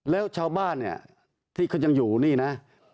แล้วชาวบ้านเนี่ยที่เขายังอยู่นี่นะ